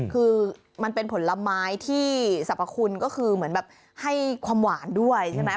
คือมันเป็นผลไม้ที่สรรพคุณก็คือเหมือนแบบให้ความหวานด้วยใช่ไหม